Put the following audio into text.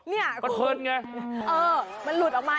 นี่คุณมันเคิร์นไงมันเหมือนกัน